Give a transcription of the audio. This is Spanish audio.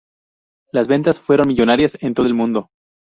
Las ventas fueron millonarias en todo el mundo.